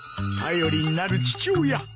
頼りになる父親。